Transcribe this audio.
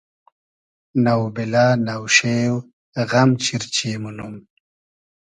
نۆبیلۂ نۆشېۉ غئم چیرچی مونوم